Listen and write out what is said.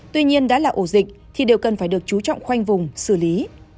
tuy nhiên đã là ổ dịch thì đều cần phải được chú trọng khoanh vùng xử lý